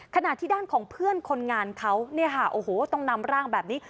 ขณะที่ด้านของเพื่อนคนงานเขาต้องนำร่างแบบนี้